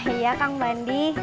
iya kak bandi